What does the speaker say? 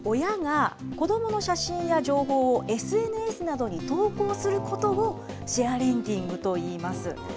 親が子どもの写真や情報をＳＮＳなどに投稿することを、シェアレンティングといいます。